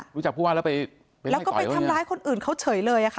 รู้จักผู้ว่าแล้วไปทำลายคนอื่นเขาเฉยเลยค่ะ